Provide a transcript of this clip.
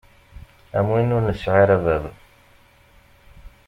Am win ur nesɛi ara bab.